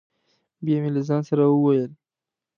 بیا مې له ځانه سره وویل: